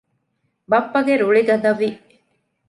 ބައްޕަގެ ރުޅި ގަދަވި